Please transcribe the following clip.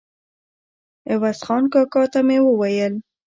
عوض خان کاکا ته مې وویل.